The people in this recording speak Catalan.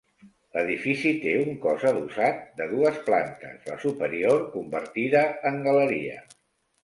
L'edifici té un cos adossat, de dues plantes, la superior convertida en galeria.